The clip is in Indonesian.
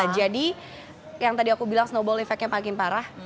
jadi yang tadi aku bilang snowball effect nya makin parah